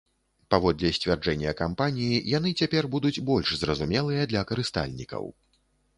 Паводле сцвярджэння кампаніі, яны цяпер будуць больш зразумелыя для карыстальнікаў.